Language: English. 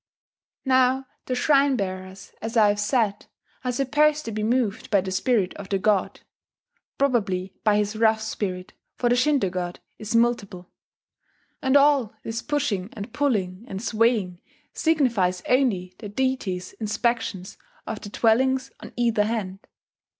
Now the shrine bearers, as I have said, are supposed to be moved by the spirit of the god (probably by his Rough Spirit; for the Shinto god is multiple); and all this pushing and pulling and swaying signifies only the deity's inspection of the dwellings on either hand.